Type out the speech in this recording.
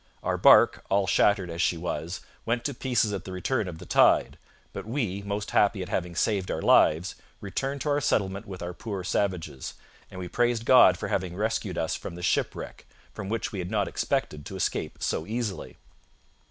Our barque, all shattered as she was, went to pieces at the return of the tide. But we, most happy at having saved our lives, returned to our settlement with our poor savages; and we praised God for having rescued us from this shipwreck, from which we had not expected to escape so easily.'